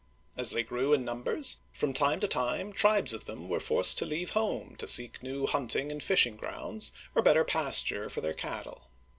As they grew in num bers, from time to time tribes of them were forced to leave home to seek new hunting and fishing grounds, or better pasture for their cattle.